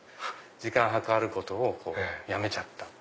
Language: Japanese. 時間計ることをやめちゃった。